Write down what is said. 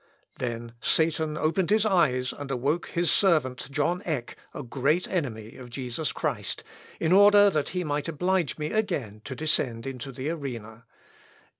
Then Satan opened his eyes and awoke his servant, John Eck, a great enemy of Jesus Christ, in order that he might oblige me again to descend into the arena.